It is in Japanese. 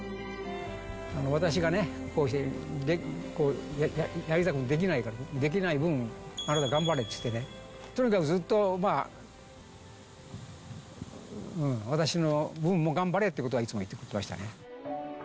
私がね、こうしてやりたくてもできない分、あなた、頑張れって言ってね、とにかくずっと私の分も頑張れっていうことをいつも言ってました